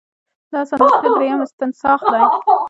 د اصل نسخې دریم استنساخ دی.